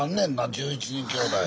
１１人きょうだい。